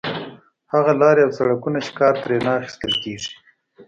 هغه لارې او سړکونه چې کار ترې نه اخیستل کېږي.